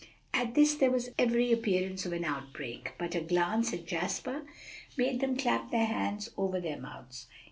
At this there was every appearance of an outbreak, but a glance at Jasper made them clap their hands over their mouths.